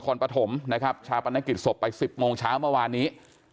ปฐมนะครับชาปนกิจศพไป๑๐โมงเช้าเมื่อวานนี้